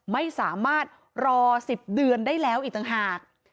ไม่สามารถรอ๑๐เดือนได้แล้วอีกต่างหาก